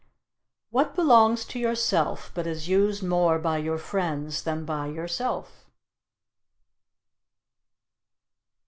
What belongs to yourself, but is used more by your friends than by yourself?